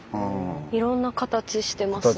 いろんな形してますね。